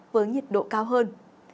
với nhiệt độ cao hơn